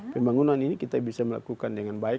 pembangunan ini kita bisa melakukan dengan baik